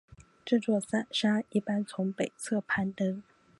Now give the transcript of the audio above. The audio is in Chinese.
这座山一般从北侧攀登。